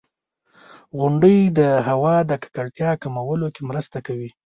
• غونډۍ د هوا د ککړتیا کمولو کې مرسته کوي.